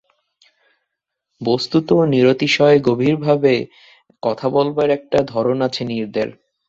বস্তুত নিরতিশয় গভীরভাবে কথা বলবার একটা ধরন আছে নীরদের।